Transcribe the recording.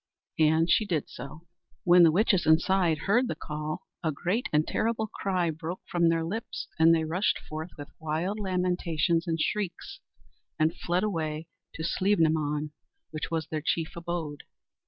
'" And she did so. When the witches inside heard the call, a great and terrible cry broke from their lips, and they rushed forth with wild lamentations and shrieks, and fled away to Slievenamon, where was their chief abode.